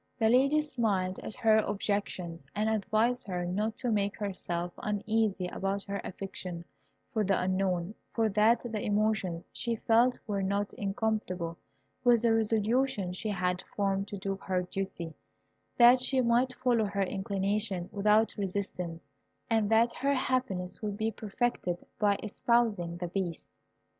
The Lady smiled at her objections, and advised her not to make herself uneasy about her affection for the Unknown, for that the emotions she felt were not incompatible with the resolution she had formed to do her duty; that she might follow her inclinations without resistance, and that her happiness would be perfected by espousing the Beast.